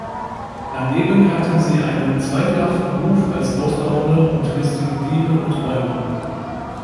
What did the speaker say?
Daneben hatten sie einen zweifelhaften Ruf als ausdauernde und listige Diebe und Räuber.